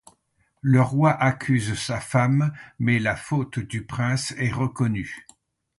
Le roi accuse sa femme, mais la faute du prince est reconnue.